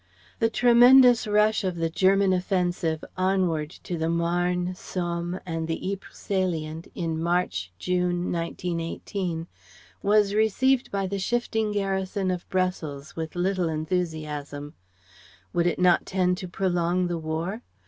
The tremendous rush of the German offensive onward to the Marne, Somme, and Ypres salient in March June, 1918, was received by the shifting garrison of Brussels with little enthusiasm. Would it not tend to prolong the War?